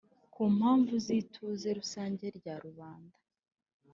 Ku mpamvu z ituze rusange rya rubanda